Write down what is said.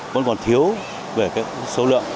vẫn còn thiếu về số lượng